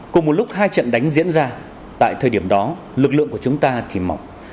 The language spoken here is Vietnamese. cùng một lúc hai trận đánh diễn ra tại thời điểm đó lực lượng của chúng ta thì mỏng